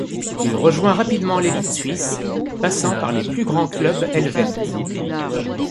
Il rejoint rapidement l'élite suisse, passant par les plus grands clubs helvètes.